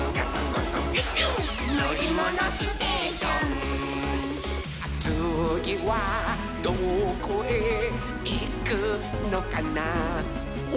「のりものステーション」「つぎはどこへいくのかなほら」